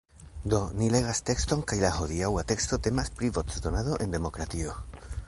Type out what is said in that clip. Do, ni legas tekston kaj la hodiaŭa teksto temas pri voĉdonado en demokratio